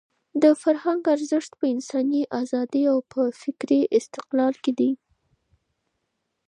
د فرهنګ ارزښت په انساني ازادۍ او په فکري استقلال کې دی.